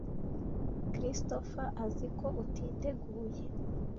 Christopher azi ko utiteguye.